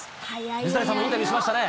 水谷さんもインタビューしましたね。